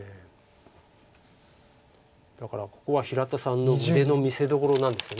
だからここは平田さんの腕の見せどころなんですよね。